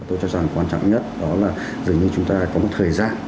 tôi cho rằng quan trọng nhất đó là dường như chúng ta có một thời gian